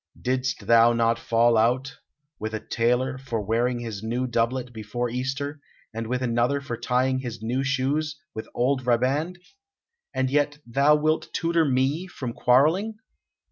Didst thou not fall out with a tailor for wearing his new doublet before Easter, and with another for tying his new shoes with old riband? And yet thou wilt tutor me from quarrelling!"